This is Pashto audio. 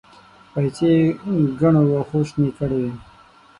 پايڅې يې ګڼو وښو شنې کړې وې.